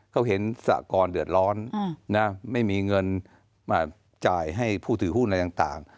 เขาเห็นสากรเดือดร้อนนะไม่มีเงินมาจ่ายให้ผู้ถือหุ้นอะไรต่าง